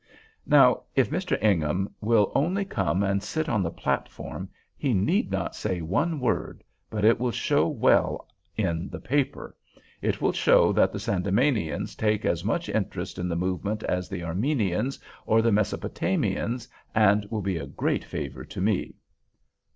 "Now if Mr. Ingham will only come and sit on the platform, he need not say one word; but it will show well in the paper—it will show that the Sandemanians take as much interest in the movement as the Armenians or the Mesopotamians, and will be a great favor to me."